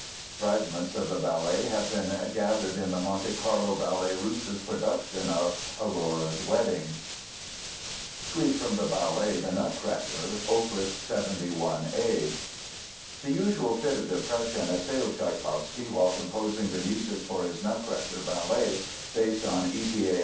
Fragments of the ballet have been gathered in the Monte Carlo Ballet Russe's production of Aurora's Wedding. SUITE FROM THE BALLET, The Nutcracker, OPUS 71 A The usual fit of depression assailed Tschaikowsky while composing the music for his Nutcracker ballet, based on E. T. A.